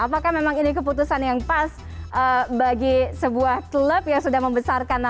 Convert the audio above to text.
apakah memang ini keputusan yang pas bagi sebuah klub yang sudah membesarkan